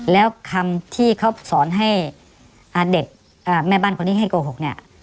แล้วคำที่เขาสอนให้แม่บ้านคนนี้ให้โกหก